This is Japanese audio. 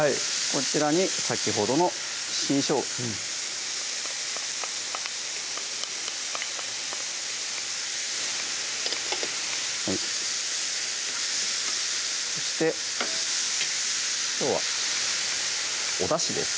こちらに先ほどの新しょうがそしてきょうはおだしです